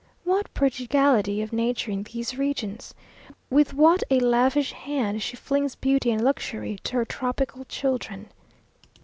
What prodigality of nature in these regions! With what a lavish hand she flings beauty and luxury to her tropical children!